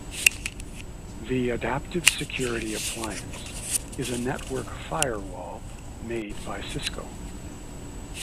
The Adaptive Security Appliance is a network firewall made by Cisco.